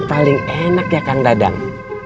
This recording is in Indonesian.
paling enak ya kang dadang